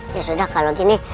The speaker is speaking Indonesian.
ya sudah kalau gini